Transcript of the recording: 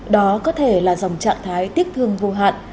đó có thể là dòng trạng thái tiếc thương vô hạn